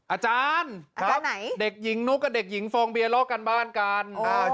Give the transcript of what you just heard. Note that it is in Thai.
อาจารย์เด็กหญิงนุ๊กกับเด็กหญิงฟองเบียลอกกันบ้านกัน